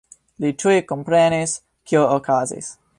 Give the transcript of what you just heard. Li tuj komprenis, kio okazis.